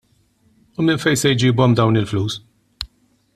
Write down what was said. U minn fejn se jġibhom dawn il-flus?